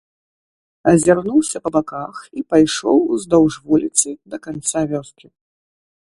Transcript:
Азірнуўся па баках і пайшоў уздоўж вуліцы да канца вёскі.